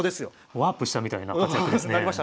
ワープしたみたいな活躍ですね。